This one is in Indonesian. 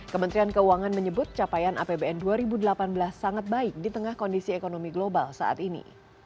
kementerian keuangan menyebut capaian apbn dua ribu delapan belas sangat baik di tengah kondisi ekonomi global saat ini